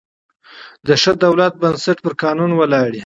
د ښه دولت بنسټ پر قانون ولاړ يي.